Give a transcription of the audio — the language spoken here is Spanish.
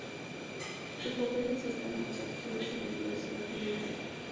Sus papeles están en los archivos de la Universidad de Búfalo.